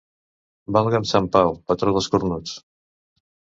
Valga'm sant Pau, patró dels cornuts.